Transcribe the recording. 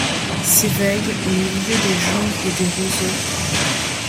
S'éveillent, au milieu des joncs ét des roseaux